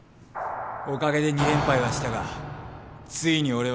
おかげで２連敗はしたがついに俺は突き止めた。